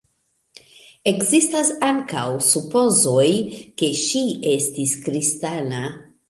Ekzistas ankaŭ supozoj, ke ŝi estis kristana.